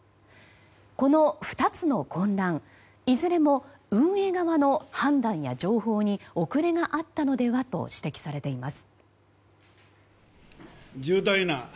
この２つの混乱、いずれも運営側の判断や情報に遅れがあったのではと指摘されています。